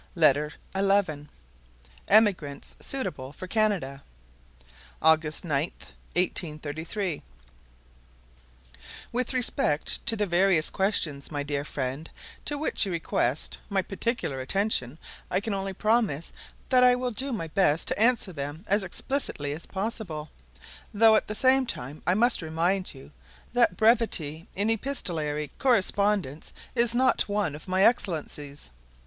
Cheese. Indian Corn, and its Cultivation. Potatoes. Rates of Wages. August 9, 1833 WITH respect to the various questions, my dear friend, to which you request my particular attention, I can only promise that I will do my best to answer them as explicitly as possible, though at the same time I must remind you, that brevity in epistolary correspondence is not one of my excellencies.